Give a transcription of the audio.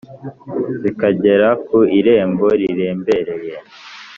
zikagera ku irembo rirembereye